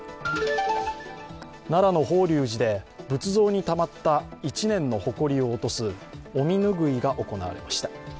奈良の法隆寺で仏像にたまった１年のほこりを落とすお身拭いが行われました。